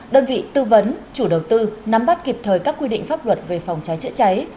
đơn vị tư vấn chủ đầu tư nắm bắt kịp thời các quy định pháp luật về phòng cháy chữa cháy